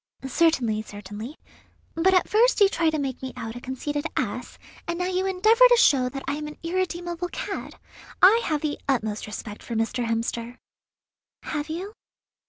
"Certainly, certainly; but at first you try to make me out a conceited ass, and now you endeavour to show that I am an irredeemable cad. I have the utmost respect for Mr. Hemster." "Have you?